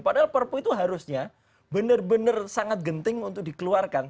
padahal perpu itu harusnya benar benar sangat genting untuk dikeluarkan